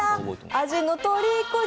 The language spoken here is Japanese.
味のとりこに